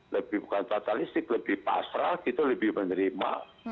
lebih bukan fatalistik lebih pasrah gitu lebih menerima